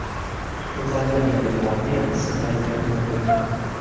Udalerriaren barnean zenbait herri daude.